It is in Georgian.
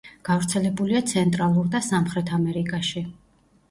გავრცელებულია ცენტრალურ და სამხრეთ ამერიკაში.